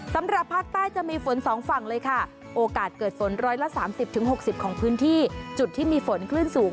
สำหรับภาคใต้จะมีฝนสองฝั่งเลยค่ะโอกาสเกิดฝน๑๓๐๖๐ของพื้นที่จุดที่มีฝนคลื่นสูง